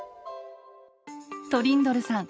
トリンドルさん